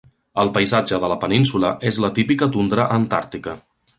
El paisatge de la península és la típica tundra Antàrtica.